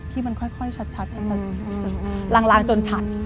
ที่มันค่อยชัดลางจนชัด